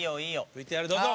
ＶＴＲどうぞ！